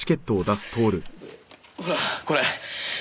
ほらこれ。